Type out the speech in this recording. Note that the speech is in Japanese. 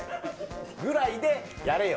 ぐらいでやれよ。